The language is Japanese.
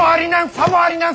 さもありなん！